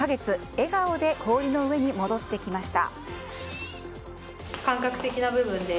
笑顔で氷の上に戻ってきました。